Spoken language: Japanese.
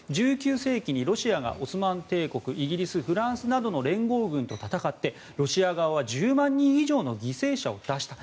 １９世紀にロシアがオスマン帝国イギリス、フランスなどの連合軍と戦ってロシア側は１０万人以上の犠牲者を出した。